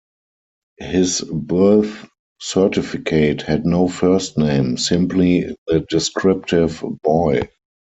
His birth certificate had no first name, simply the descriptive "Boy".